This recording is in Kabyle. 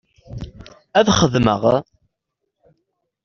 Ad xedmeɣ.